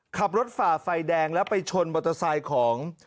ฝ่าไฟแดงแล้วไปชนมอเตอร์ไซค์ของ